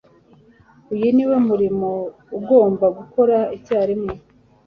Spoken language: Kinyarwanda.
uyu niwo murimo ugomba gukora icyarimwe